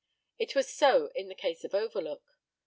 It was so in the case of Overlook.